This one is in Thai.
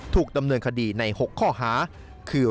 ถูกดำเนินคดีใน๖ข้อหาคือ